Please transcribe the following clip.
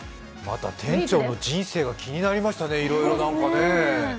また店長の人生が気になりましたね、いろいろ何かね。